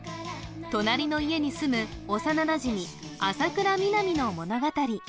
隣の家に住む幼なじみ浅倉南の物語